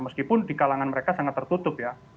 meskipun di kalangan mereka sangat tertutup ya